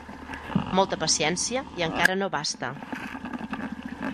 Molta paciència i encara no basta.